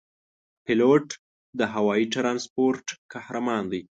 پیلوټ د هوايي ترانسپورت قهرمان دی.